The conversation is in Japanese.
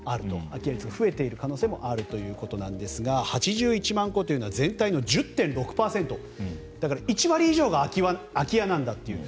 空き家率が増えている可能性もあるということですが８１万戸というのは全体の１０．６％だから１割以上が空き家なんだという。